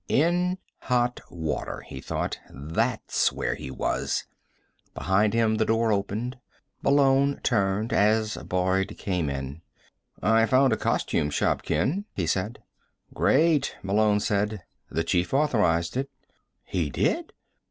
In hot water, he thought. That's where he was. Behind him, the door opened. Malone turned as Boyd came in. "I found a costume shop, Ken," he said. "Great," Malone said. "The chief authorized it." "He did?"